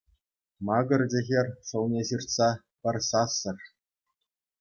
Макӑрчӗ хӗр, шӑлне ҫыртса, пӗр сассӑр.